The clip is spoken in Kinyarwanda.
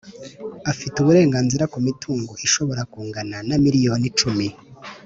afite uburenganzira ku mitungo ishobora kungana na miliyoni icumi